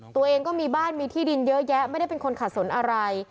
ตัวเองก็มีบ้านมีที่ดินเยอะแยะไม่ได้เป็นคนขาดสนอะไร